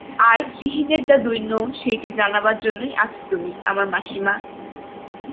আর, শ্রীহীনের যা দৈন্য সেইটে জানাবার জন্যেই আছ তুমি, আমার মাসিমা।